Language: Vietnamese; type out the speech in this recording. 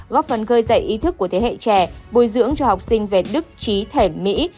góp phần gây dậy ý thức của thế hệ trẻ bồi dưỡng cho học sinh về đức trí thể mỹ